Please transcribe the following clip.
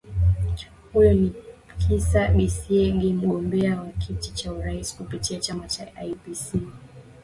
huyo ni kisa besiege mgombea wa kiti cha urais kupitia chama cha ipc